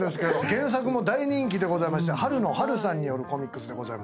原作も大人気でございましてハルノ晴さんによるコミックスでございます。